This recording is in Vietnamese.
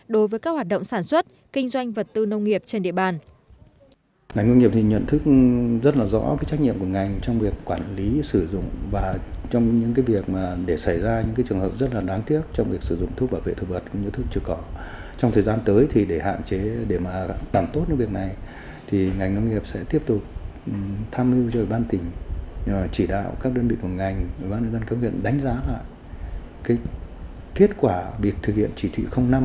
đối với các hoạt động sản xuất kinh doanh vật tư nông nghiệp trên địa bàn